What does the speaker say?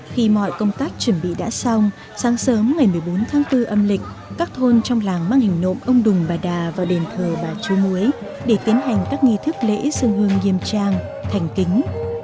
khi mọi công tác chuẩn bị đã xong sáng sớm ngày một mươi bốn tháng bốn âm lịch các thôn trong làng mang hình nộm ông đùng bà đà vào đền thờ bà chúa muối để tiến hành các nghi thức lễ dân hương nghiêm trang thành kính